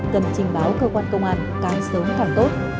cần trình báo cơ quan công an càng sớm càng tốt